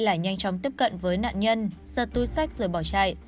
lại nhanh chóng tiếp cận với nạn nhân giật tui sách rồi bỏ chạy